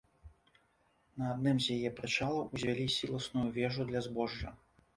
На адным з яе прычалаў узвялі сіласную вежу для збожжа.